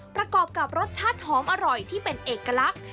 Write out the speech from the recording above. ประกอบกับรสชาติหอมอร่อยที่เป็นเอกลักษณ์